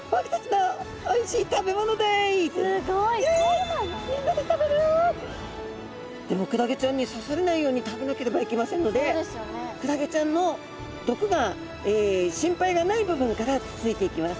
でもクラゲちゃんに刺されないように食べなければいけませんのでクラゲちゃんの毒が心配がない部分からつついていきます。